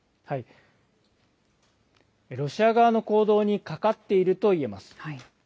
ロシア側の行動にかかっているといえます。